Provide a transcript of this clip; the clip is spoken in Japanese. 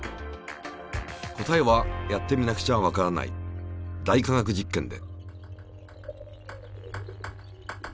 答えはやってみなくちゃわからない「大科学実験」で。